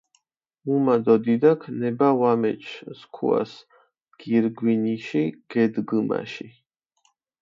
მუმა დო დიდაქ ნება ვამეჩჷ სქუას გირგვინიში გედგჷმაში.